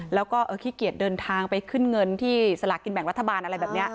แล้วก็ขี้เกียจเดินทางไปขึ้นเงินที่สลากินแบ่งรัฐบาลอะไรแบบนี้